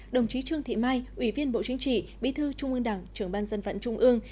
đồng chí trương thị mai ủy viên bộ chính trị bí thư trung ương đảng trưởng ban dân vận trung ương